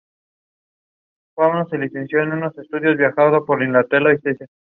En los siguientes años lanzó varios sencillos y un álbum "Melodic Hard Cure".